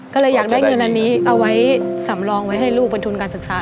ก็เลยอยากได้เงินอันนี้เอาไว้สำรองไว้ให้ลูกเป็นทุนการศึกษา